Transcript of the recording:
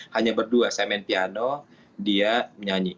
hanya berdua saya main piano dia nyanyi